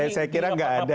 saya kira enggak ada itu